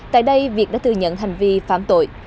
tại đây việt đã thừa nhận hành vi phạm tội